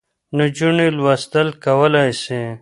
نجونې لوستل کولای سي.